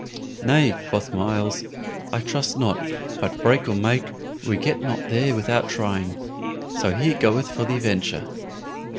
"Nay," quoth Myles, "I trust not; but break or make, we get not there without trying. So here goeth for the venture."